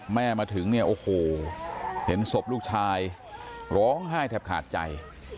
มาถึงเนี่ยโอ้โหเห็นศพลูกชายร้องไห้แทบขาดใจ